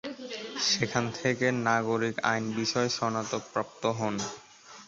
সেখান থেকে নাগরিক আইন বিষয়ে স্নাতক প্রাপ্ত হন।